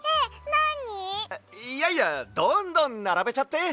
いやいやどんどんならべちゃって！